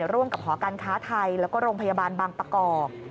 ร่วมกับหอการค้าไทยแล้วก็โรงพยาบาลบางประกอบ